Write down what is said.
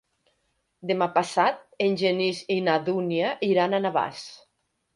Demà passat en Genís i na Dúnia iran a Navàs.